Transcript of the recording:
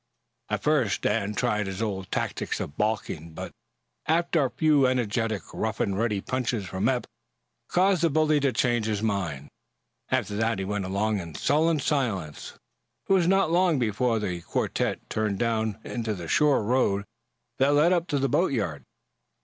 At first, Dan tried his old tactics of balking, but a few energetic, rough and ready punches from Eph caused the bully to change his mind. After that he went along in sullen silence. It was not long before the quartette turned down into the shore road that led up to the boatyard.